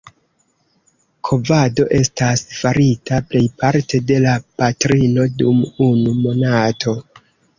Kovado estas farita plejparte de la patrino dum unu monato.